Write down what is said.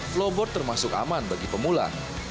flowboard termasuk aman bagi pemula